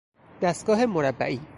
دستگاه مربعی